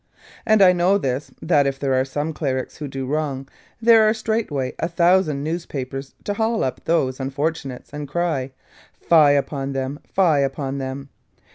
And I know this, that if there are some Clerics who do wrong, there are straightway a thousand newspapers to haul up those unfortunates, and cry, 'Fie upon them, fie upon them!'